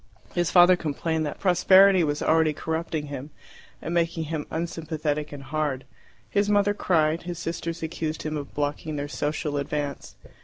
His father complained that prosperity was already corrupting him and making him unsympathetic and hard; his mother cried; his sisters accused him of blocking their social advance.